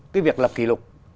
cái việc lập kỷ lục